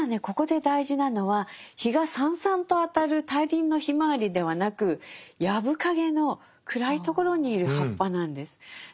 ここで大事なのは陽がさんさんと当たる大輪のひまわりではなく藪かげの暗いところにいる葉っぱなんです。